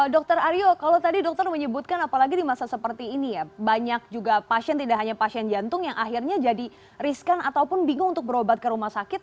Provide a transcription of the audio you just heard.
dokter aryo kalau tadi dokter menyebutkan apalagi di masa seperti ini ya banyak juga pasien tidak hanya pasien jantung yang akhirnya jadi riskan ataupun bingung untuk berobat ke rumah sakit